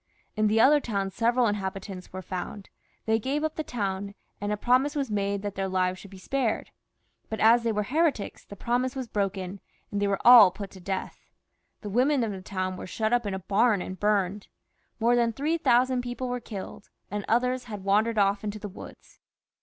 In the other town several inhabitants were found ; they gave up the town, and a promise was made that their lives should be spared ; but as they were heretics the promise was broken, and they were all put to death. The women of the town were shut up in a bam and burned. More than three thousand people were killed, and others had wandered off into the woods.